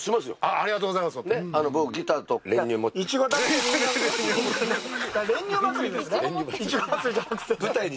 ありがとうございます、ほんとに。